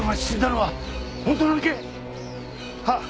はっ。